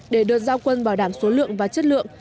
để đợt giao quân bảo đảm số lượng và chất lượng